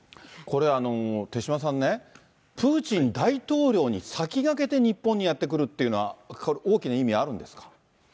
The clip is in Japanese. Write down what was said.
これ、手嶋さんね、プーチン大統領に先駆けて日本にやって来るっていうのは大きな意味、あるんですか。